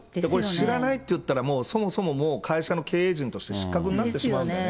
知らないって言ったら、もうそもそも、もう会社の経営陣として失格になってしまうのでね。